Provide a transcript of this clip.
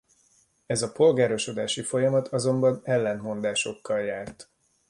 Ez a polgárosodási folyamat azonban ellentmondásokkal járt.